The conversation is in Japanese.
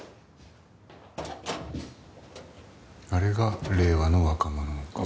あれが令和の若者か。